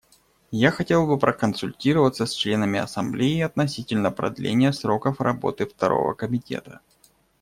Я хотел бы проконсультироваться с членами Ассамблеи относительно продления сроков работы Второго комитета.